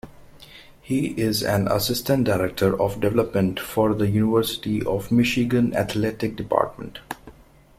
He is an Assistant Director of Development for The University of Michigan Athletic Department.